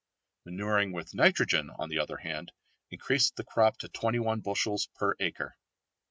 Manuring with nitrogen on the other hand increased the crop to 21 bushels per acre.